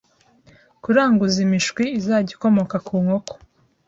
kuranguza imishwi izajya ikomoka ku nkoko